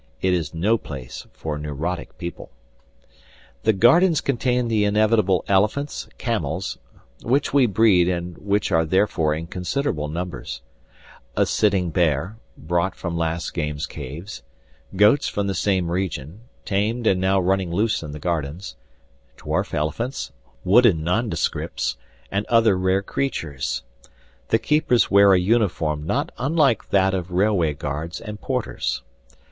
It is no place for neurotic people. The gardens contain the inevitable elephants, camels (which we breed, and which are therefore in considerable numbers), a sitting bear, brought from last game's caves, goats from the same region, tamed and now running loose in the gardens, dwarf elephants, wooden nondescripts, and other rare creatures. The keepers wear a uniform not unlike that of railway guards and porters.